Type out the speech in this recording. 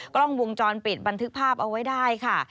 กล้องวงจรปิดบันทึกภาพเอาไว้ได้ค่ะ